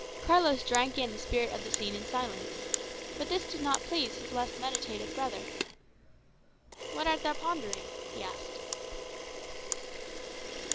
Carlos drank in the spirit of the scene in silence. But this did not please his less meditative brother. "What art thou pondering?" he asked.